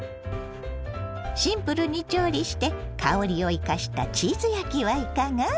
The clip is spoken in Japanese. シンプルに調理して香りを生かしたチーズ焼きはいかが？